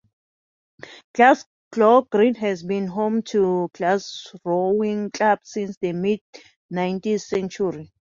Glasgow Green has been home to Glasgow's rowing clubs since the mid-nineteenth century.